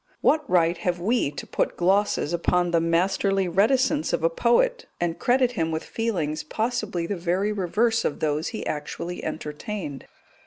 What right have we to put glosses upon the masterly reticence of a poet, and credit him with feelings possibly the very reverse of those he actually entertained?